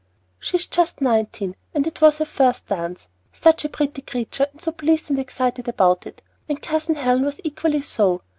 "She is just nineteen, and it was her first dance. Such a pretty creature, and so pleased and excited about it! and Cousin Helen was equally so.